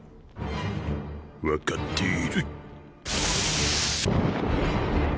分かっている。